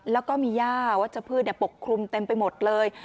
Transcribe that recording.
แล้วก็มีย่าวัชพืชปกคลุมเต็มไปหมดเลย